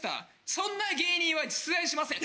「そんな芸人は実在しません」